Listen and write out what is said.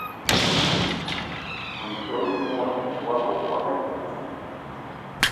Ntol mot wakokóm ekut i?